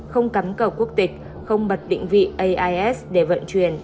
không cắm cầu quốc tịch không bật định vị ais để vận chuyển